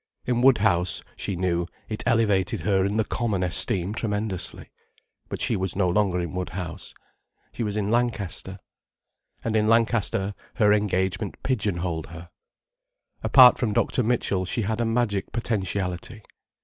In Woodhouse, she knew, it elevated her in the common esteem tremendously. But she was no longer in Woodhouse. She was in Lancaster. And in Lancaster her engagement pigeonholed her. Apart from Dr. Mitchell she had a magic potentiality.